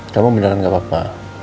kamu beneran gak apa apa